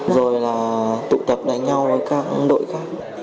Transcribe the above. rồi là tụ tập đánh nhau với các đội khác